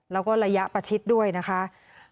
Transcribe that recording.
แล้วก็ระยะประชิดด้วยนะคะ